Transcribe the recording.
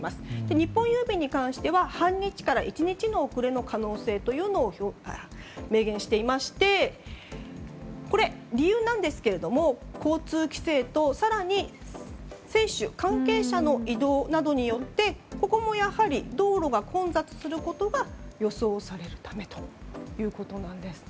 日本郵便に関しては半日から１日の遅れの可能性を明言していまして理由なんですが交通規制と、更に選手、関係者の移動などによって道路が混雑することが予想されるためということなんです。